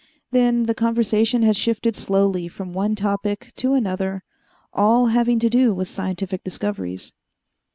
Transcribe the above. Then the conversation had shifted slowly from one topic to another, all having to do with scientific discoveries.